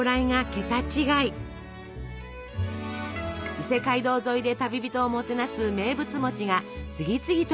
伊勢街道沿いで旅人をもてなす名物が次々と売り出されます。